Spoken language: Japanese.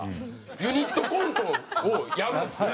ユニットコントをやるんですよ。